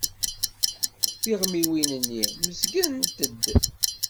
Tiɣmiwin-nni mmezgent-d.